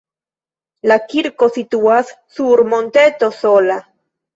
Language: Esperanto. La kirko situas sur monteto sola.